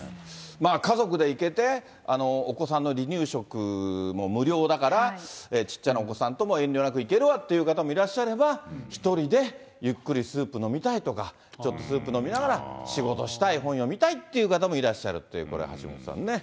まあ家族で行けて、お子さんの離乳食も無料だから、小っちゃなお子さんとも遠慮なく行けるわっていう方もいらっしゃれば、１人でゆっくりスープ飲みたいとか、ちょっとスープ飲みながら仕事したい、本読みたいっていう方もいらっしゃるって、これ、橋下さんね。